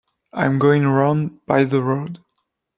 I’m going round by the road.